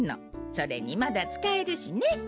それにまだつかえるしね。